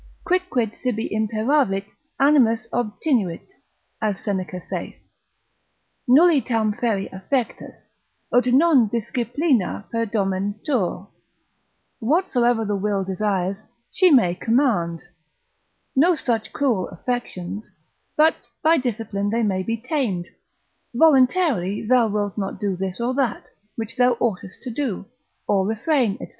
Quicquid sibi imperavit animus obtinuit (as Seneca saith) nulli tam feri affectus, ut non disciplina perdomentur, whatsoever the will desires, she may command: no such cruel affections, but by discipline they may be tamed; voluntarily thou wilt not do this or that, which thou oughtest to do, or refrain, &c.